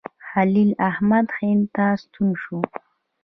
خلیل احمد هند ته ستون شو.